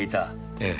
ええ。